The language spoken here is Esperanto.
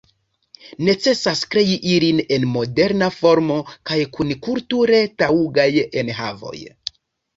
Necesas krei ilin en moderna formo kaj kun kulture taŭgaj enhavoj.